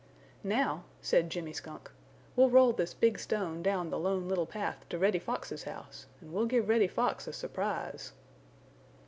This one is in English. "Now," said Jimmy Skunk, "we'll roll this big stone down the Lone Little Path to Reddy Fox's house and we'll give Reddy Fox a surprise."